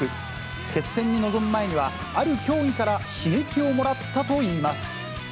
決戦に臨む前には、ある競技から刺激をもらったといいます。